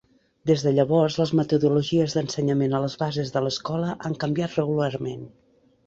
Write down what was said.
Des de llavors, les metodologies d'ensenyament a les bases de l'escola han canviat regularment.